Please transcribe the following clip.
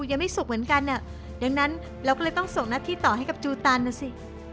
อย่างนั้นเราก็เลยต้องส่งนัดที่ต่อให้กับจูตันนะสิ